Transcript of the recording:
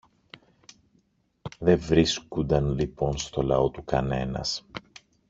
Δε βρίσκουνταν λοιπόν στο λαό του κανένας